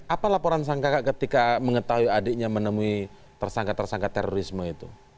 apa laporan sangka ketika mengetahui adiknya menemui tersangka tersangka terorisme itu